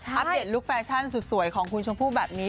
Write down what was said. ปเดตลุคแฟชั่นสุดสวยของคุณชมพู่แบบนี้